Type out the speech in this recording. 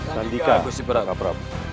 sandika raka prabu